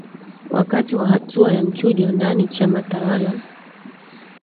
wakati wa hatua ya mchujo ndani chama tawala